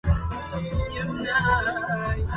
هذه الكعبة كنا طائفيها